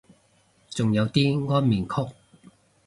仲有啲安眠曲